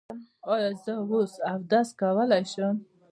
ایا زه اوس واده کولی شم؟